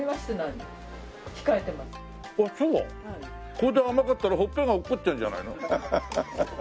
これで甘かったらほっぺが落っこっちゃうんじゃないの？